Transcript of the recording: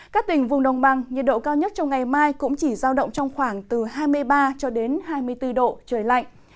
các tỉnh vùng đồng bằng nhiệt độ cao nhất trong ngày mai cũng chỉ giao động trong khoảng từ hai mươi ba cho đến hai mươi bốn độ trời lạnh